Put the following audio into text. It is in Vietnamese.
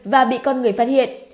và bị con người phát hiện